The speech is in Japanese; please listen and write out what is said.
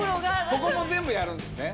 ここも全部やるんですね。